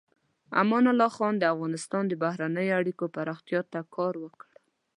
امان الله خان د افغانستان د بهرنیو اړیکو پراختیا ته کار وکړ.